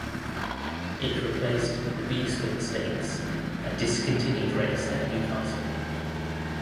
It replaced the Beeswing Stakes, a discontinued race at Newcastle.